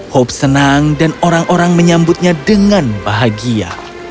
hope senang dan orang orang menyambutnya dengan bahagia